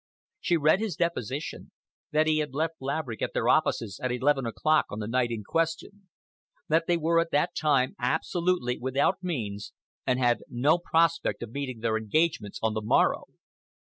She read his deposition—that he had left Laverick at their offices at eleven o'clock on the night in question, that they were at that time absolutely without means, and had no prospect of meeting their engagements on the morrow.